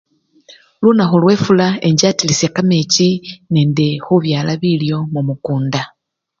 Lunakhu lwefula enchatilisya kamechi nende khubyala bilyo mumikunda.